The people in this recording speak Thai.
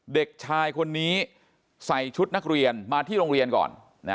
เด็กชายคนนี้ใส่ชุดนักเรียนมาที่โรงเรียนก่อน